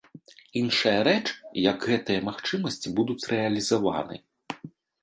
Іншая рэч, як гэтыя магчымасці будуць рэалізаваны.